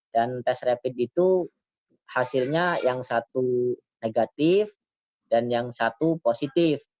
dan tes rapid itu hasilnya yang satu negatif dan yang satu positif